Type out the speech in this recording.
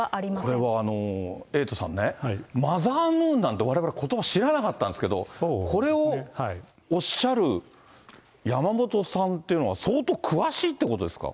これはエイトさんね、マザームーンなんて、われわれ、ことば知らなかったんですけど、これをおっしゃる山本さんっていうのは、相当詳しいってことですか。